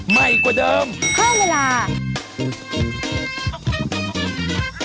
ไปกันแบบเร็วมากทีเดียว